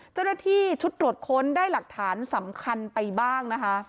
เจ้าหน้าที่ชุดตรวจค้นได้หลักฐานสำคัญไปบ้างนะคะ